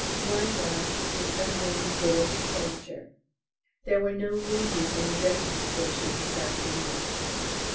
One was, "An unknown British Soldier." There were no wounded in the D.S. this afternoon.